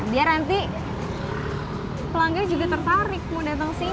biar nanti pelanggan juga tertarik mau datang sini